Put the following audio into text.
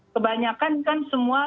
kebanyakan kan semua